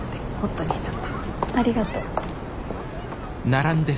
ありがとう。